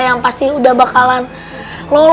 yang pasti udah bakalan lolos gitu ya